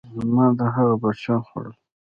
مار د هغه بچیان خوړل.